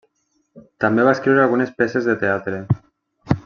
També va escriure algunes peces de teatre.